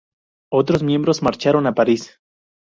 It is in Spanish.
Otros miembros marcharon a París.